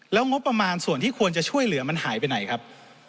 แล้วงบประมาณส่วนที่ควรจะช่วยเหลือมันหายไปไหนครับ